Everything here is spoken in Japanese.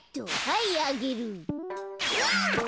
はいあげる。